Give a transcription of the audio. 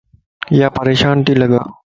يا پريشان تي لڳ